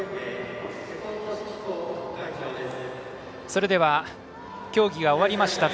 それでは、競技が終わりました